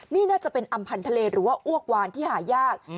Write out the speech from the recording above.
นี่น่าจะเป็นอำพันธ์ทะเลหรือว่าอ้วกวานที่หายาก